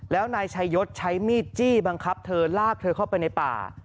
แล้วนายชายศใช้มีดจี้บังคับเธอลากเธอเข้าไปในป่า